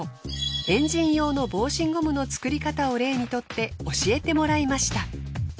エンジン用の防振ゴムの作り方を例にとって教えてもらいました。